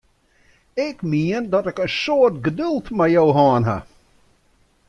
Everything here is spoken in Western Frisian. Ik mien dat ik in soad geduld mei jo hân ha!